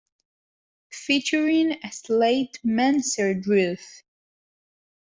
Featuring a slate mansard roof.